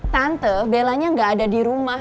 tante bellanya gak ada di rumah